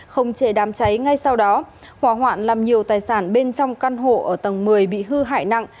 không chế đám cháy ngay sau đó hỏa hoạn làm nhiều tài sản bên trong căn hộ ở tầng một mươi bị hư hại nặng